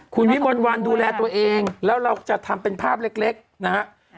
คุณวิทย์มณวรรณดูแลตัวเองแล้วเราจะทำเป็นภาพเล็กนะครับ